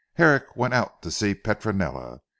Herrick went out to see Petronella.